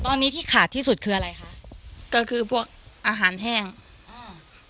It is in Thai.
ตอนนี้ที่ขาดที่สุดคืออะไรคะก็คือพวกอาหารแห้งอ่า